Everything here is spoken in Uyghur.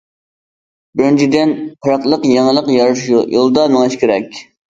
بىرىنچىدىن، پەرقلىق يېڭىلىق يارىتىش يولىدا مېڭىش كېرەك.